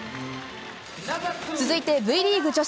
続いてＶリーグ女子。